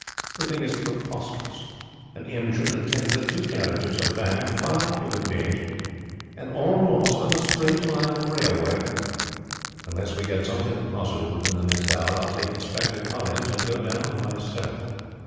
The thing is preposterous. An engine, a tender, two carriages, a van, five human beings and all lost on a straight line of railway! Unless we get something positive within the next hour I'll take Inspector Collins, and go down myself."